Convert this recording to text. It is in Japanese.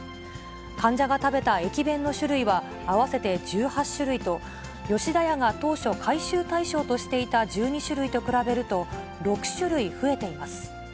患者が食べた駅弁の種類は合わせて１８種類と、吉田屋が当初、回収対象としていた１２種類と比べると、６種類増えています。